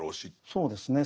そうですね。